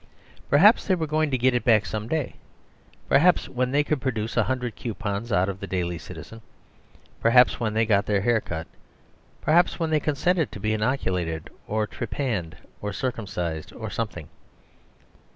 Perhaps they were going to get it back some day; perhaps when they could produce a hundred coupons out of the Daily Citizen; perhaps when they got their hair cut; perhaps when they consented to be inoculated, or trepanned, or circumcised, or something.